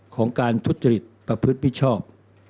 ของการทุจริตประพฤติมิชชอบ